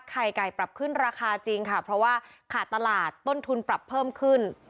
ไข่ไก่ปรับขึ้นราคาจริงค่ะเพราะว่าขาดตลาดต้นทุนปรับเพิ่มขึ้น